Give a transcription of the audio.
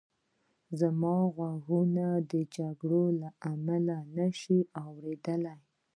زما غوږونو د جګړې له امله سم نه اورېدل